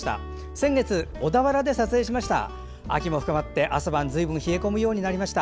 先月、小田原で撮影しました。